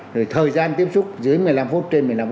rồi thời gian tiếp xúc dưới một mươi năm phút